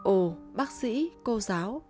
ô bác sĩ cô giáo